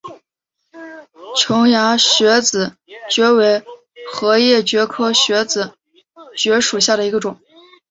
琼崖穴子蕨为禾叶蕨科穴子蕨属下的一个种。